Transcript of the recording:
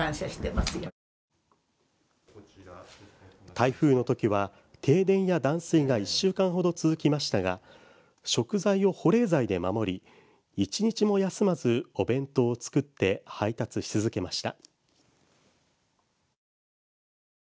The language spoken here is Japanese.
台風のときは停電や断水が１週間ほど続きましたが食材を保冷剤で守り一日も休まずお弁当を作って配達し続けました。